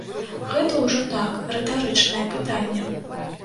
Гэта ўжо так, рытарычнае пытанне.